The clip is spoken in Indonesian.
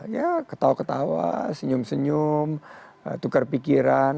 ya ketawa ketawa senyum senyum tukar pikiran